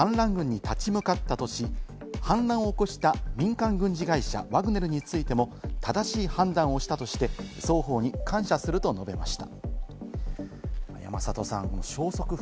ロシア軍については反乱軍に立ち向かったとし、反乱を起こした民間軍事会社ワグネルについても正しい判断をしたとして、双方に感謝すると述べました。